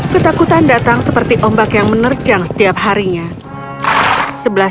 ketakutan datang seperti ombak yang menerjang setiap harinya